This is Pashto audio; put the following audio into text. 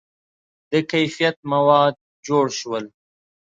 • د کیفیت مواد جوړ شول.